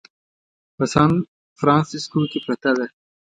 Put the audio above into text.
په سان فرانسیسکو کې پرته ده.